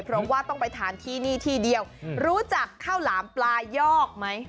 เพราะว่าต้องไปทานที่นี่ที่เดียวรู้จักข้าวหลามปลายอกไหม